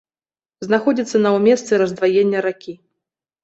Знаходзіцца на ў месцы раздваення ракі.